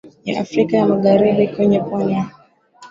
ya Afrika ya Magharibi kwenye pwani ya